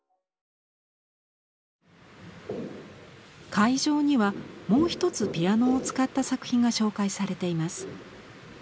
会場にはもう一つピアノを使った作品が紹介されています。